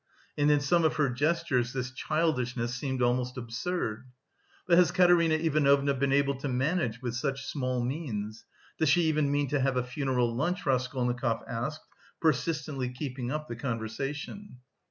And in some of her gestures, this childishness seemed almost absurd. "But has Katerina Ivanovna been able to manage with such small means? Does she even mean to have a funeral lunch?" Raskolnikov asked, persistently keeping up the conversation.